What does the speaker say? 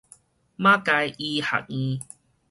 馬偕醫學院